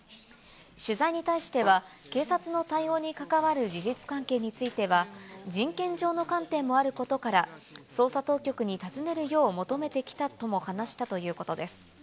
取材に対しては、警察の対応に関わる事実関係については、人権上の観点もあることから、捜査当局に尋ねるよう求めてきたとも話したということです。